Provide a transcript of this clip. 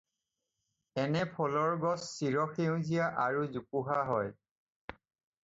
এনে ফলৰ গছ চিৰ সেউজীয়া আৰু জোপোহা হয়।